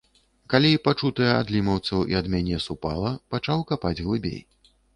Калі пачутае ад лімаўцаў і ад мяне супала, пачаў капаць глыбей.